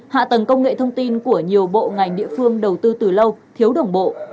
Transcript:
hạ tầng công nghệ thông tin của nhiều bộ ngành địa phương đầu tư từ lâu thiếu đồng bộ